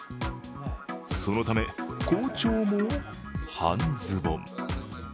そのため校長も半ズボン。